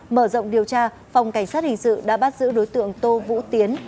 mở rộng điều tra phòng cảnh sát hình sự đã bắt giữ đối tượng tô vũ tiến